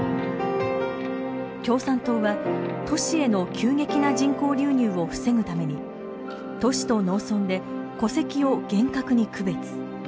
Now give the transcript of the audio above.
共産党は都市への急激な人口流入を防ぐために都市と農村で戸籍を厳格に区別。